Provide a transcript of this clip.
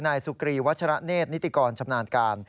นายสุกรีวัชระเนธนิติกรชำนาญการ